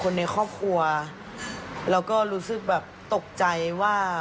แล้วก็รู้สึกแบบตกใจว่า